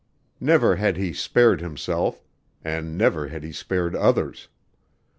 Never had he spared himself and never had he spared others.